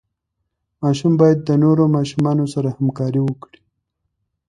ماشوم باید د نورو ماشومانو سره همکاري وکړي.